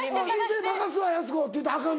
「店任すわやす子」って言うたらアカンのか。